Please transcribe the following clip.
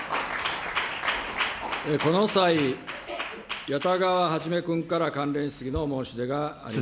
この際、谷田川元君から関連質疑の申し出があります。